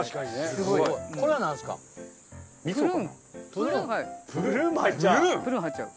プルーンも入っちゃう？